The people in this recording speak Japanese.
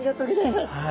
はい。